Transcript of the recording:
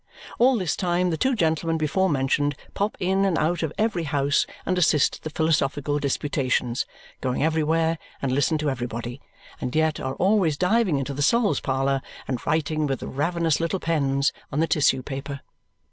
All this time the two gentlemen before mentioned pop in and out of every house and assist at the philosophical disputations go everywhere and listen to everybody and yet are always diving into the Sol's parlour and writing with the ravenous little pens on the tissue paper.